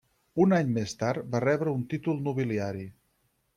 Un any més tard va rebre un títol nobiliari.